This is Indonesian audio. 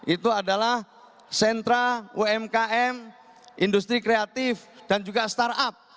itu adalah sentra umkm industri kreatif dan juga startup